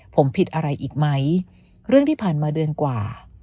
ผมผิดอะไรอีกไหมเรื่องที่ผ่านมาเดือนกว่า